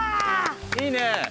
いいね！